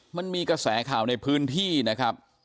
มันมีกระแสข่าวในพื้นที่นะครับ